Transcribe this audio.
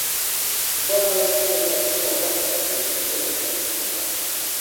Se situaban al sur de grandes rocas, para protegerse de los vientos dominantes.